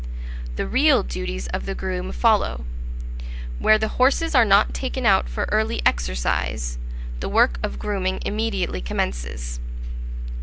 The real duties of the groom follow: where the horses are not taken out for early exercise, the work of grooming immediately commences.